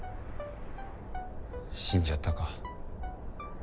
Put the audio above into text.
死んじゃったか。